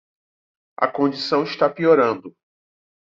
A condição está piorando